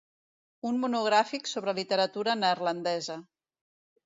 Un monogràfic sobre literatura neerlandesa.